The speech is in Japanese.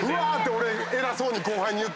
俺偉そうに後輩に言って。